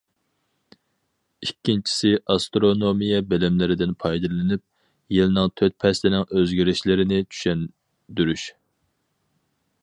ئىككىنچىسى ئاسترونومىيە بىلىملىرىدىن پايدىلىنىپ، يىلنىڭ تۆت پەسلىنىڭ ئۆزگىرىشلىرىنى چۈشەندۈرۈش.